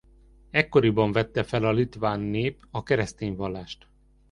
Ekkoriban vette fel a litván nép a keresztény vallást.